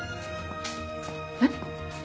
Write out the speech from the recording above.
えっ？